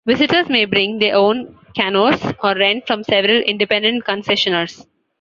Visitors may bring their own canoes or rent from several independent concessioners.